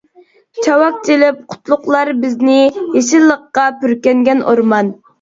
چاۋاك چېلىپ قۇتلۇقلار بىزنى، يېشىللىققا پۈركەنگەن ئورمان.